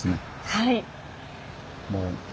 はい。